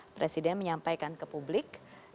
presiden menyampaikan ke publik